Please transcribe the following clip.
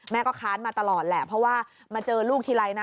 ก็ค้านมาตลอดแหละเพราะว่ามาเจอลูกทีไรนะ